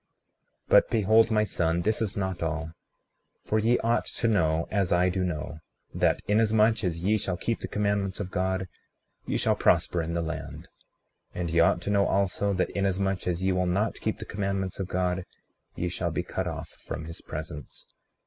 36:30 But behold, my son, this is not all; for ye ought to know as I do know, that inasmuch as ye shall keep the commandments of God ye shall prosper in the land; and ye ought to know also, that inasmuch as ye will not keep the commandments of God ye shall be cut off from his presence.